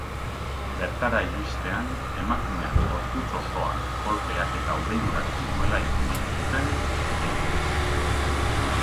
Bertara iristean, emakumeak gorputz osoan kolpeak eta ubeldurak zituela ikusi zuten agenteek.